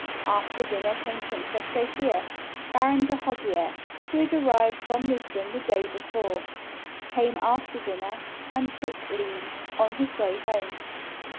After dinner came Princess Sophia. Baron de Hoggier, who had arrived from Lisbon the day before, came after dinner, and took leave, on his way home.